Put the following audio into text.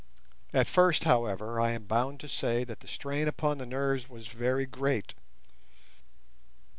At first, however, I am bound to say that the strain upon the nerves was very great.